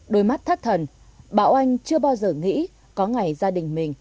đôi mắt thắt thần bảo oanh chưa bao giờ nghĩ có ngày gia đình mình